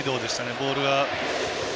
ボールが。